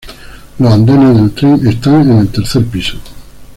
Los andenes del tren están en el tercer piso.